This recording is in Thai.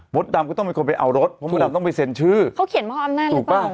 ดำก็ต้องเป็นคนไปเอารถเพราะมดดำต้องไปเซ็นชื่อเขาเขียนมอบอำนาจถูกป่ะ